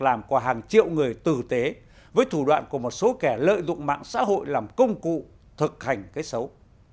làm quà hàng triệu người tử tế với thủ đoạn của một số kẻ lợi dụng mạng xã hội làm công cụ thực hành cái xấu